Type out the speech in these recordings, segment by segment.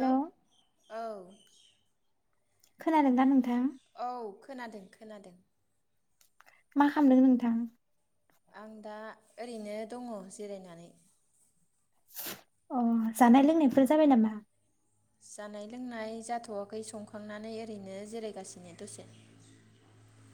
Hello ओं औ खोनादों दा नोंथां औ खोनादों खोनादों मा खालामदों नोंथां आं दा ओरैनो दङ जिरायनानै अ जानाय लोंनायफोर जाबाय नामा? जानाय लोंनाय जाथ'वाखै संखांनानै ओरैनो जिरायगासिनो दसे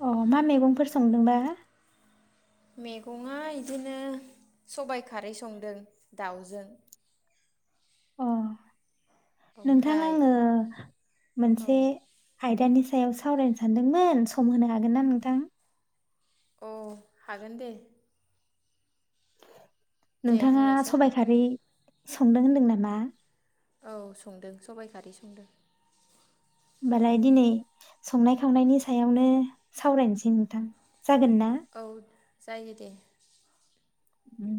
अ मा मेगंफोर संदोंबा मेगङा बिदिनो सबाइ खारै संदों दाउजों अ नोंथां ओमफाय आङो औ मोनसे आयदानि सायाव सावरायनो सानदोंमोन सम होनो हागोन ना नोंथां औ हागोन दे। दे नोंथाङा बुंलायसै सबाइ खारै संदों होन्दों नामा औ संदों सबाइ खारि संदों। होमबालाय दिनै संनाय खावनायनि सायावनो सावरायनोसै नोंथां जागोन ना? औ जायो दे उम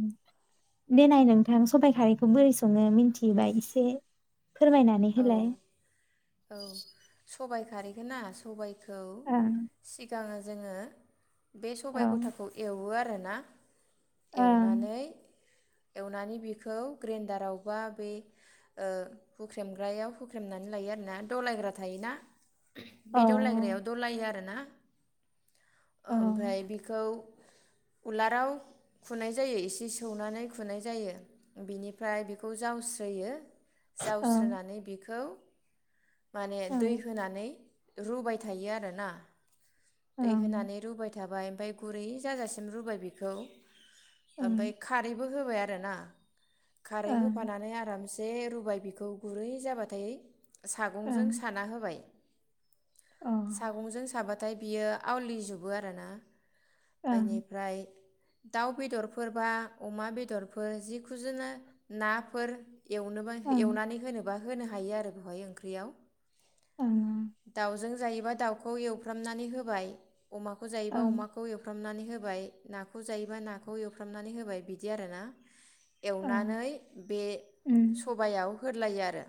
देनाय नोंथां सबाइ खारैखौ बोरै सङो मिथिबाय एसे फोरमायनानै होलाय सबाय खारैखोना सबाय खौ ओं सि गां जोङो बे सबाय औ गथाखौ एवो रो ना ओं एवनानै एवनानै बेखौ ग्रेन्दारावबा बे ओ हुख्रेमग्रायाव हुख्रेमनानै लायो आरोना दलायग्रा थायोना औ बे दलायग्रायाव दलायो आरो ना औ ओमफाय बेखौ उलाराव खुनाय जायो इसे सौनानै खुनाय जायो बेनिफ्राय बेखौ जावस्रोयो। जाव ओं इ बेखौ माने दै ओं होनानै रुबाय थायो आरोना। दै ओं होनानै रुबाय थाबाय ओमफाय गुरै जाजासिम रुबाय बेखौ ओमफाय ओं खारै बो होबाय आरो ना खारै ओं होफानानै आरामसे जे रुबाय बेखौ गुरै जाबाथाय सागंजों ओं साना होबाय सागंजों साबा थाय बियो आवलिजोबो आरो ना अ बाइनिफ्राय दाउ बेदरफोर बा अमा बेदरफोर जिखुजोनो नाफोर एवनोबा ओं एवनानै होनोबा होनो हायो आरो बेवहाय ओंख्रियाव ओं दाउजों जायोबा दाउखौ एवफ्रामनानै होबाय। अमाखौ जायोबा ओं अमाखौ एवफ्रामनानै हो होबाय नाखौ जायोबा नाखौ एवफ्रामनानै होबाय बिदि आरोना ओं औ एवनानै बे उम सबयाव। होदलायो आरो।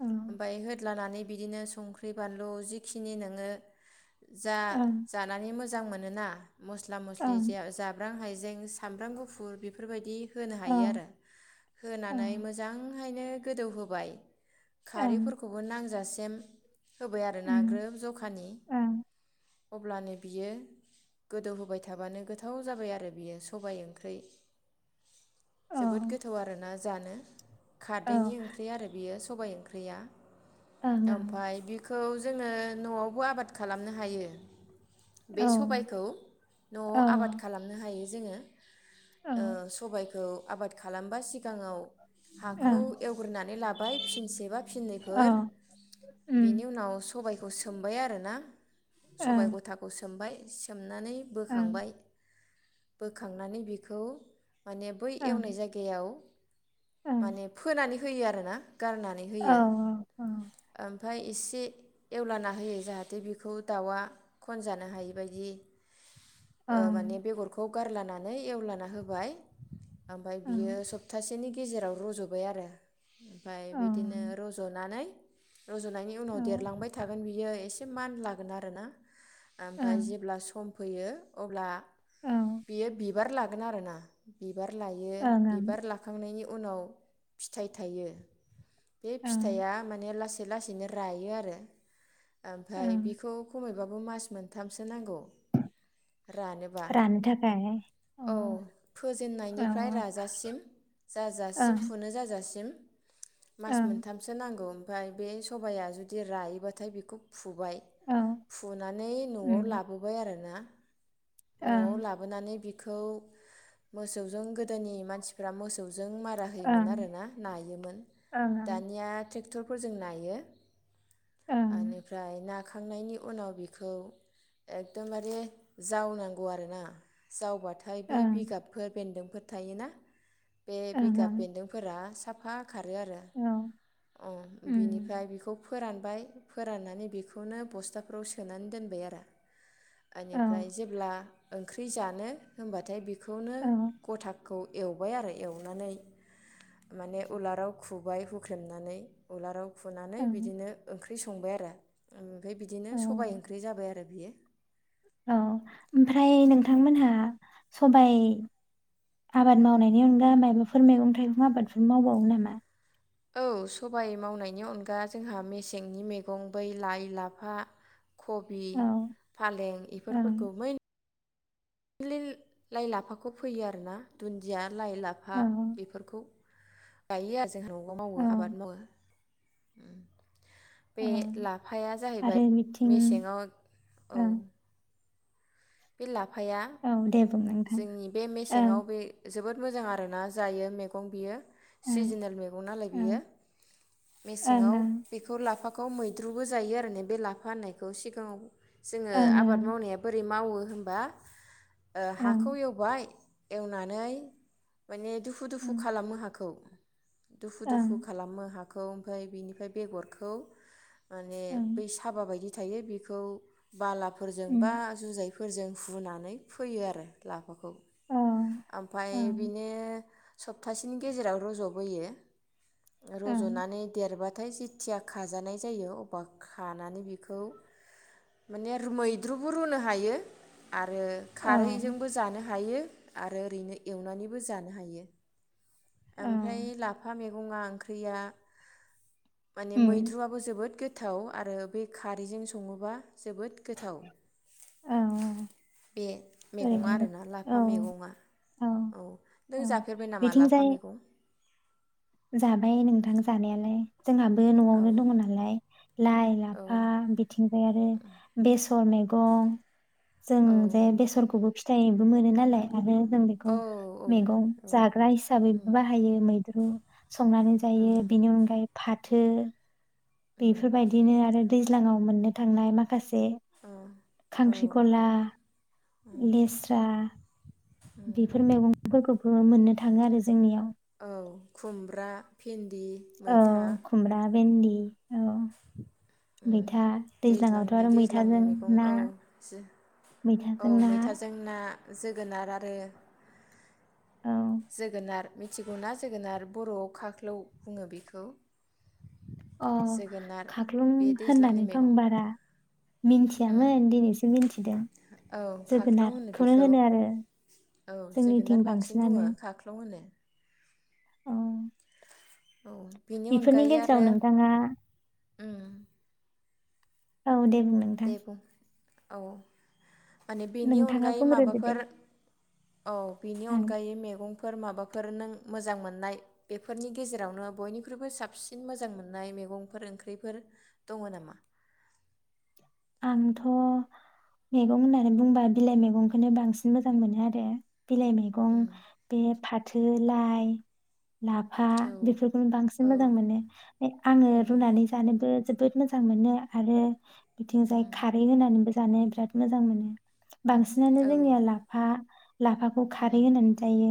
औ ओमफाय होथ दालानानै बिदिनो संख्रि बानलु जिखिनि नोङो। जा ओं जानानै मोज जां मोनोना। मस्ला मस्लि ओं जा-जाब्रां हाइजें सामब्राम गुफुर बेफोरबायदि होनो औ हायो आरो औ होनानै मोजांहायनो। गोदौ होबाय। ओं खारैफोरखौबो नांजासि जेम होबाय आरोना उम ग्रोब जखानि ओं अब्लानो बियो गोदौ होबाय थाबानो गोथाव जाबाय आरो बियो सबाय ओंख्रि औ जोबोद गोथाव आरोना जानो खा औ दैनि ओंख्रि आरो बेयो। सबायाइ ओंख्रिया। ओं ओमफाय बि खौ जोङो न'आवबो आबाद खालामनो हायो। बे ओं सबायखौ न'आव औ आबाद खालामनो हायो। जोङो। ओं औ ओ सबायखौ आबाद खालामबा सिगाङाव। हाख खौ एवग्रोनानै ला बाइ फिनसेबा फिननैफोर बिनि उम उनाव स सबायखौ सोमबाय आरोना। सबाय ओं गथाखौ सोमबाय। सोम मनानै ओं बोखांबाय बोखांनानै बिखौ माने बै एवनाय ओं जायगायाव ओं माने फोनानै होयो आरो ना गारनानै औ होयो ओमफा फाय एसे एवलाना होयो जाहाथे बेखौ दाउआ खनजानो हायिबायदि। ओ माने ओं बेगरखौ गारलायनानै एवलाना होबाय ओमफाय बियो ओं सपथासेनि गेजेराव रज' बाय आरो ओमफाय औ ओं औ बिदिनो ओं रज'नानै रज'नायनि उनाव देरलांबाय थागोन बि बियो एसे मानलागोन आरो ना। ओमफाय जेब्ला सम फैयो अब्ला बियो बिबार लागोन आरो ना बिबार लायो बिबार लाखांनायनि उनाव फिथाइ थायो। बे ओं फिथाइआ माने लासै लासैनो रायो आरो। ओमफाय ओं बेखौ खमोय बाबो मास मोनथामसो नांगौ। रानोबा रानो थाखाय औ फोजेननायनिफ्राय ओं राजासिम जाजासिम जाजासिम। मास ओं मोनथामसो नांगौ। ओमफाय बे सबाया जुदि रायोबाथाय बेखौ फुबाय ओं फुनानै न'आव उम लाबोबाय आरोना न'आव ओं लाबोनानै बि खौ मोसौजों गोदोनि मानसिफ्रा मोसौ जों मारा होयोमोन। ओं आरोना नायोमोन ओं दानिया ट्रेक्टरफोर जों नायो। ओं आनिफ्राय ना खांनायनि उनाव बिखौ एकदमबारे जावनांगौ आरोना जावबाथाय बे ओं बिगाबफोर बेन्दोंफोर थायोना। बे ओं बिगाब ओं बेन्दों मा साफा खारो आरो औ उम बिनिफ्राय बेखौ फोरानबाय फोराननानै बेखौनो बस्थाफोराव सोनानै दोनबाय आरो। औ एनिफ्राय जेब्ला ओंख्रि जानो होबाथाय बे खौनो औ गथा खौ एवबाय आरो एवनानै माने उलाराव खुबाय हुख्रेमनानै उलाराव फुनानै ओं बिदिनो ओंख्रि संबायआरो ओ। फाय बिदिनो औ सबाइ ओंख्रै जाबायआरो। बियो औ ओमफ्राय नोंथांमोनहा सबाइ आबाद मावनायनि अनगा मायबाफोर मैगं थाइगं आबादफोर मावबावो नामा? औ सबाइ मावनायनि अनगा जोंहा मेसेंनि मैगं बै लाइ लाफा खबि औ फालें ओं इफोरफोरखौ मैन लिल लाइ लाफाखौ फैयो आरोना दुन्दिया। लाइ औ लाफा बेफोरखौ [unintelligible] जोंहा न'वावबो औ मावो आबाद मावो। [inaudible] बे औ लाफाया जाहैबाय आरो बिथिं मेसेङाव औ। ओं बि ला फाया औ दे बुं नोंथां जोंनि बे ओं मेसेङाव बे जोबोद मोजां आरोना जायो मैगं बियो। ओं सिजिनेल मैगं नालाय बियो ओं ओं मेसेङाव ओं बेखौ लाफा खौ मैद्रुबो जायो आरोने बे लाफा होननायखौ सिगाङाव जोङो ओं आबाद ओं मावनाया बोरै मावो। होमबा ओ हाखौ एवबाय एवनानै माने दुफु दुफु खालामो हाखौ। दुफु दुफु खालामो हा खौ ओमफाय बेनिफाय बेरखौ माने बै साबा बायदि दायो बेखौ बालाफोरजों बा जुजाइ फोरजों हुनानै फोयोआरो ला माखौ ओमफ्राय बिनो सप्तासेनि गेजेराव रजबोयो रजनानै देरबाथाय जिथिया खाजानाय जायो अबा खानानै बेखौ माने रु मैद्रुबो रुनो हायो। आरो खारैजोंबो जानो हायो। आरो ओरैनो एवनानैबो जानो हायो। ओमफ्राय लाफा मैगं बुङा ओंख्रिया माने मैद्रुआबो जोबोद गो गोथाव आरो बे खारैजों सङोबा जोबोद गोथाव बे मैगङा आरोना औ लाफा मैगङा औ औ नों जाफेरबाय नामा लाफा? मा बिथिंजाय मैगं? जाबाय नोंथां जानायालाय। जोंहाबो औ न'आवनो दङ नालाय लाइ लाफा औ बिथिंजाय आरो बे थ मैगं जों औ जे बेसरखौबो फि थायबो मोनो नालाय आरो जों औ बेखौ मैगं औ जाग्रा हिसाबै बाहायो मैद्रु संनानै जायो बेनि अनगायैबो फाथो बेफोरबायदिनो आरो दैज्लांयाव मोननो थांनाय मा खासे औ खांख्रिकला लेस्रा बिफोर मेगंफोरखौबो मोननो था थाङो आरो जोंनियाव औ खुमब्रा भिन औ खुमरा भेन्दि। औ उम मैथा दैज्लाङावथ' दैज्लांनि आरो दैज्लांनि मैथाजों मेगं ना औ जो औ मैथाजों ना मैथाजों ना। जोगोनार आरो औ जोगोनार मिथिगौना जोगोनार बर'आव खाख्लौ बुङो बेखौ। अ जोगोनार खाख्लुं बे दैज्लांनि होननानै मैगं फं बारा मिथियामोन दिनैसो मिथिदों औ खाख्लौ होनो जोगोनारखौनो बेखौ होनो आरो औ जोगोनार जोंनिथिं बांसिन बुङो बांसिनानो। खाख्लौ होनो औ औ बेनि बिफोरनि गेजेराव नोंथाङा उम औ दे बुं नोंथां दे बुं। औ माने बेनि नोंथाङा अनगायै बुंग्रोदो दे माबाफोर औ बिनि ओं अनगायै मेगं फोर माबाफोर नों मोजां मोननाय बेफोरनि गेजेरावनो बयनिख्रुइबो साबसिन मोजां मोन्नाय मेगंफोर ओंख्रिफोर दङ नामा? आंथ' मेगं होननानै बुंबा बिलाइ मैगंखोनो बांसिन मोजां मोनो आरो। बिलाइ मैगं बे फाथ थो लाइ लाफा औ बेफोरखौनो बांसिन औ मोजां मोनो आङो रुनानै जानोबो जोबोद मोजां मोनो आरो बिथिंजाय खारै होनानैबो जानो राद मोजां मोनो। बांसिनानो औ जोंनिया लाफा लाफाखौ खारै होनानै जायो।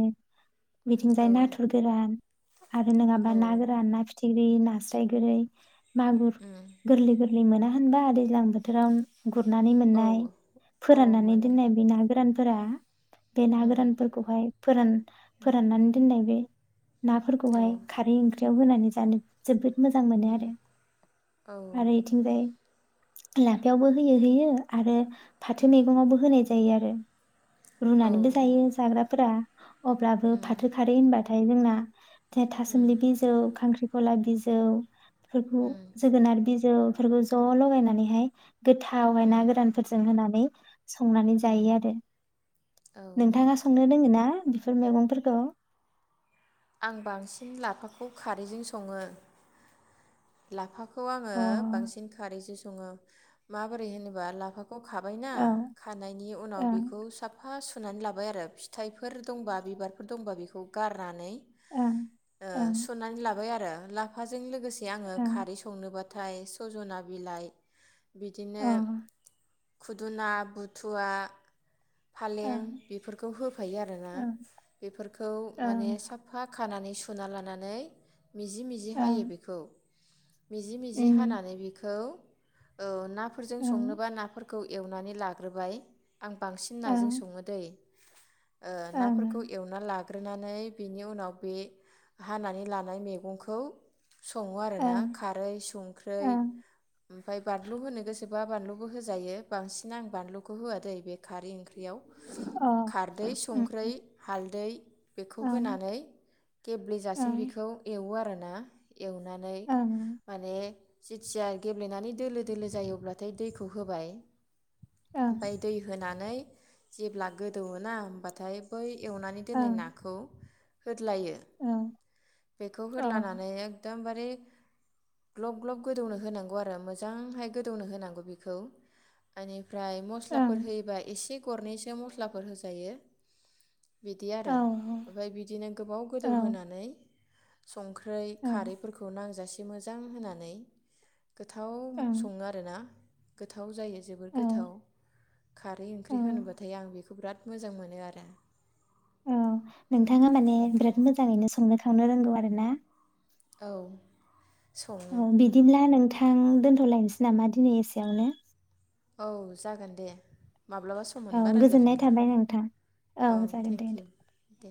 बिथिंजाय नाथुर औ गोरान। आरो नोंआबा ना गोरान ना फ फिथिग्रि, नास्राय, गोरै मागुर, गोरलि, गोर बे मोना होनबा देज दैज्लां बोथोराव गुरनानै औ मोननाय औ फोराननानै मोनो दोननाय बे ना गोरान फोरा बे ना गोरानफोरखौहाय फोरान फोराननानै दोननाय बे औ नाफोरखौहाय खारै ओंख्रि बियाव होनानै जानो जोबोद मोजां मोनो आरो औ आरो इथिंजाय लाफायावबो होयो होयो आरो फाथो मैगङावबो होनाय जायो आरो औ रुनानैबो जायो जाग्राफोरा अब्लाबो फाथो खारै होनबाथा फाय जोंना थे थासोमलि बिजौ खांख्रि गला बिजौ फोरखौ जोगोनार बि फोरबो ज' ल'गायना नैहाय गोथाव ना गोरानफोरजों होनानै नै संनानै जायो आरो औ नोंथाङा संनो रोङोना बिफोर मेगंफोरखौ आं बांसिन लाफाखौ खारैजों सङो लाफाखौ आङो अ बांसिन खारैजों सङो माबोरै होनोबा लाफाखौ खौ खाबायना ओं खानायनि उनाव ओं बेखौ साफा सुनानै लाबाय आरो फिथाइफो फोर दंबा बिबारफोर दंबा बेखौ गारनानै ओं ओ ओं सुनानै लाबाय आरो ला फाजों लोगोसे आङो ओं खारै संनोबाथाय सजना बिलाइ अ बिदिनो ओं खुदुना बुथुवा फालें बेफोरखौ होफायो आरोना ओं बेफोरखौ माने ओं साफा खानानै सुना लानानै मिजि मिजि ओं हायो बेखौ मिजि मिजि उम हानानै बेखौ औ नाफोरजों ओं संनोबा नाफोर खौ एवनानै लाग्रोबाय आं बांसिन नाजों ओं सङो दै ओ नाफोरखौ ओं एवना लाग ग्रोनानै बिनि उनाव बे हानानै लानाय मैगंखौ सङो आरो ओं ओं सोबा बानलुबो होजायो बांसिन आं बानलुखौ होआ दै बे खारै ओंख्रि याव खारदै संख्रै हालदै बेखौ होनानै गेब्लेेजासिम अ बेखौ एवो आरो ना ना एवनानै उम माने जेथिया गेब्लेनानै दोलो दोलो जायो अब्लाथाय दैखौ होबाय ओं ओमफाय दै होना नै जेब्ला गोदौओना होमबाथाय बै एवनानै दोननाय ओं नाखौ होदलायो ओं बेखौ ओं होदलानानै एकदमबार रे ग्लब ग्लब गोदौनो होनांगौ आरो मोजांहाय गोदौनो होनांगौ बेखौ ओनिफ्राय मस्लाफोर ओं होयोबा एसे गरनैसो मस्लाफोर होजायो बिदि आरो ओमफ्राय बिदिनो गोबाव अ ओं औ गोदौहोनानै संख्रै खारैफोरखौ नांजासि मोजां होनानै गोथाव ओं सङो आरोना गोथाव जायो जोबोर औ गोथाव खारै औ ओंख्रि होनोबाथाय आं बेखौ बिराद मोजां मोनो आरो औ नोंथाङा माने बिराद मोजाङैनो संनो सावनो रोंगौ आरोना औ सङो औ बिदिब्ला नोंथा थां दोन्थलायनोसै नामा दिनै एसेयावनो औ जागोन दे माब्लाबा सम औ मोनबा गोजोननाय रायज्लायफिनगोन थाबाय नोंथां औ जागोन थेंक दे इउ दे दे